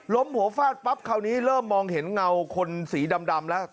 หัวฟาดปั๊บคราวนี้เริ่มมองเห็นเงาคนสีดำแล้ว